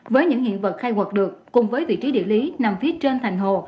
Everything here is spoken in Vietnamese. với những hiện vật khai quật được cùng với vị trí địa lý nằm phía trên thành hồ